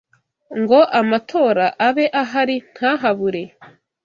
ngo amatora abe ahari ntahabure